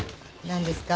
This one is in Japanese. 何ですか？